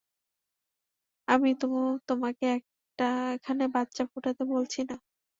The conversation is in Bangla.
আমি তো তোমাকে এখানে বাচ্চা ফুটাতে বলছি না।